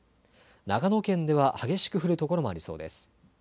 長野県では激しく降る所もありそうです。